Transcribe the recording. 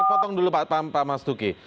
potong dulu pak mas duki